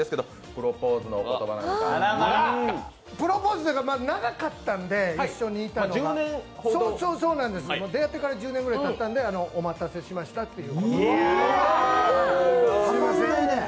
プロポーズというか、長かったんで出会ってから１０年ぐらいたったので、お待たせしましたということで。